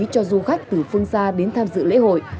cho du khách từ phương xa đến tham dự lễ hội